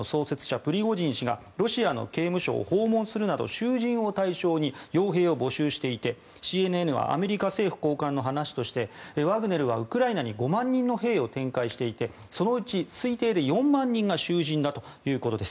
プリゴジン氏がロシアの刑務所を訪問するなど囚人を対象に傭兵を募集していてＣＮＮはアメリカ政府高官の話としてワグネルはウクライナに５万人の兵を展開していてそのうち推定で４万人が囚人だということです。